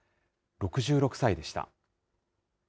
６６歳でした。